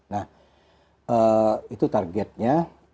nah itu targetnya